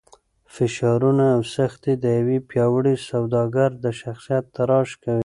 فشارونه او سختۍ د یو پیاوړي سوداګر د شخصیت تراش کوي.